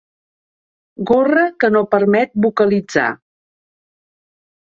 Gorra que no permet vocalitzar.